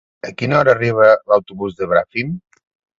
A quina hora arriba l'autobús de Bràfim?